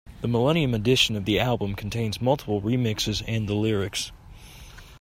The millennium edition of the album contains multiple remixes and the lyrics.